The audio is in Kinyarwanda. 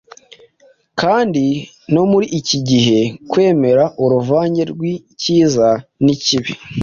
kandi no muri iki gihe, kwemera uruvange rw’icyiza n’ikibi